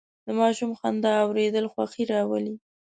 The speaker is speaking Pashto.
د ماشوم خندا اورېدل خوښي راولي.